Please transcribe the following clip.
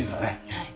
はい。